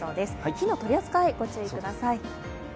火の取り扱い、ご注意ください。